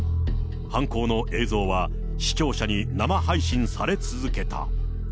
犯行の映像は視聴者に生配信され続けた。